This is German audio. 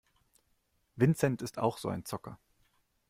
Vincent ist auch so ein Zocker.